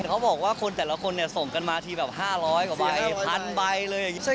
เขาบอกว่าคนแต่ละคนส่งกันมาทีแบบ๕๐๐กว่าใบ๑๐๐๐ใบเลย